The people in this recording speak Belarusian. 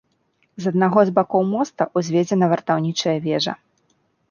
З аднаго з бакоў моста ўзведзена вартаўнічая вежа.